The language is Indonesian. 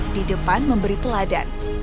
di depan memberi teladan